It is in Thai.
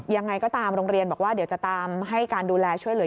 ยังไงก็ตามโรงเรียนบอกว่าเดี๋ยวจะตามให้การดูแลช่วยเหลือ